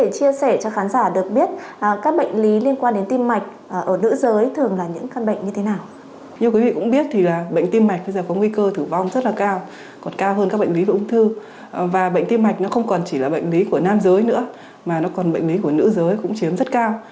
các bệnh lý của nữ giới cũng chiếm rất cao